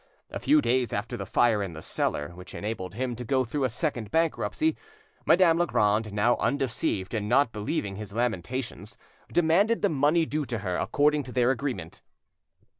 A few days after the fire in the cellar, which enabled him to go through a second bankruptcy, Madame Legrand, now undeceived and not believing his lamentations, demanded the money due to her, according to their agreement.